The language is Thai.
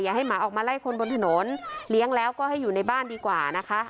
ให้หมาออกมาไล่คนบนถนนเลี้ยงแล้วก็ให้อยู่ในบ้านดีกว่านะคะ